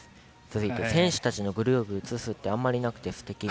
続いては選手たちのグローブ映すってあんまりなくて、すてき。